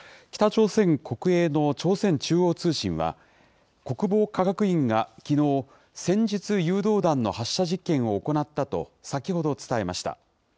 北朝鮮国営の朝鮮中央通信は、国防科学院が、きのう、戦術誘導弾の発射実験を行ったと、先ほど伝えました。